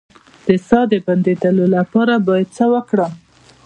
د ساه د بندیدو لپاره باید څه وکړم؟